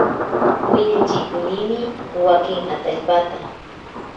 Wiñachikunimi wakin atallpata.